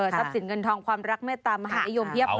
สินเงินทองความรักเมตตามหานิยมเพียบเลย